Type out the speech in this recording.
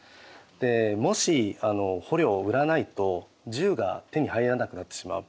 もし捕虜を売らないと銃が手に入らなくなってしまう。